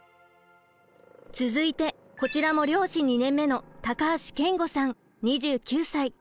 続いてこちらも漁師２年目の高橋謙吾さん２９歳。